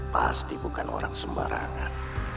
pasti bukan orang sembarangan